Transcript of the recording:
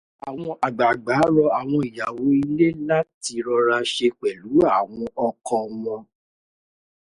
Àwọn àgbàgbà rọ àwọn ìyàwó ilé láti rọra ṣe pẹ̀lú àwọn ọkọ wọn.